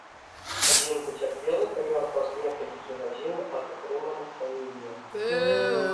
Адзін пацярпелы памёр праз некалькі гадзін ад атрыманых раненняў.